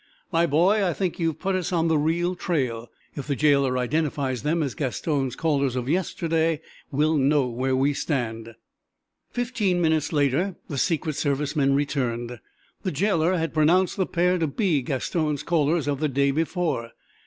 "My boy, I think you've put us on the real trail. If the jailer identifies them as Gaston's callers of yesterday, we'll know where we stand." Fifteen minutes later the Secret Service men returned. The jailer had pronounced the pair to be Gaston's callers of the day before.